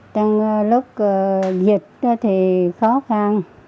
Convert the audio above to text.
trong lúc dịch thì khó khăn